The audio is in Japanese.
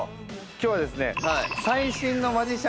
今日はですね。